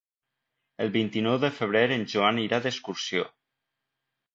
El vint-i-nou de febrer en Joan irà d'excursió.